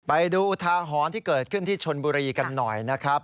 ไปดูทาหรณ์ที่เกิดขึ้นที่ชนบุรีกันหน่อยนะครับ